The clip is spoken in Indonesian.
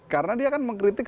karena dia kan mengkritik